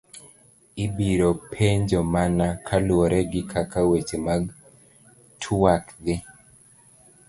Ibiro penjo mana kaluwore gi kaka weche mag tuak dhi.